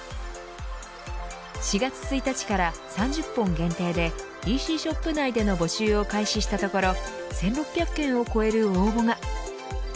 ４月１日から３０本限定でＥＣショップ内での募集を開始したところ１６００件を超える応募が。